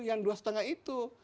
yang dua setengah itu